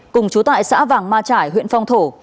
cùng chú tại xã vàng ma trải huyện phong thổ